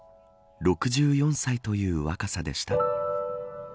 ６４歳という若さでした。